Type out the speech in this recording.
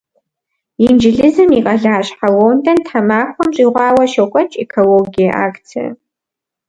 Инджылызым и къалащхьэ Лондон тхьэмахуэм щӏигъуауэ щокӏуэкӏ экологие акцие.